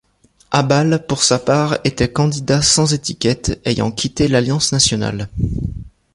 Abal, pour sa part, était candidat sans étiquette, ayant quitté l'Alliance nationale.